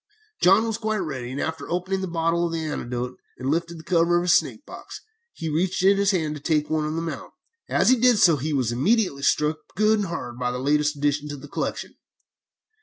"John was quite ready, and after opening a bottle of the antidote he lifted the cover of his snake box, and reached in his hand to take one of them out. As he did so, he was immediately struck good and hard by our latest addition to the collection.